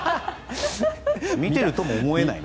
見てるとも思えないな。